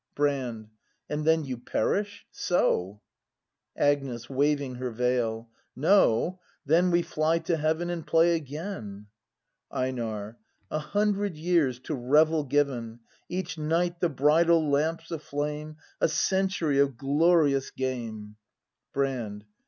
Brand. And then you perish? So! Agnes. [Waving her veil.] No; then We fly to heaven and play again ! Einar. A hundred years to revel given, Each night the bridal lamps aflame, — A century of glorious game Brand.